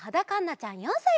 ちゃん４さいから。